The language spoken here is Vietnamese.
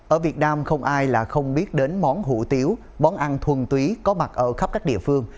ở việt nam không ai là không biết đến món hủ tiếu món ăn thuần túy có mặt ở khắp các địa phương